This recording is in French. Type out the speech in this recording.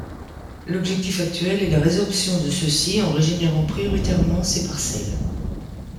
L'objectif actuel est la résorption de ceux-ci en régénérant prioritairement ces parcelles.